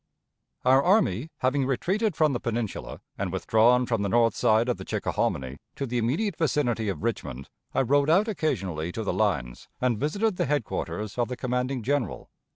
Our army having retreated from the Peninsula, and withdrawn from the north side of the Chickahominy to the immediate vicinity of Richmond, I rode out occasionally to the lines and visited the headquarters of the commanding General.